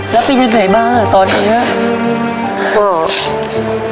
แล้วไปไปไหนบ้างอ่ะตอนนี้